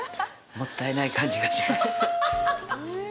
もったいない感じがします。